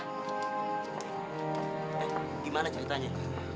eh gimana ceritanya